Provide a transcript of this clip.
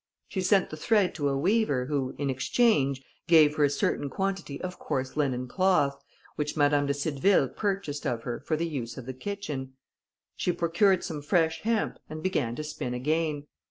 She sent the thread to a weaver, who, in exchange, gave her a certain quantity of coarse linen cloth, which Madame de Cideville purchased of her for the use of the kitchen. She procured some fresh hemp, and began to spin again.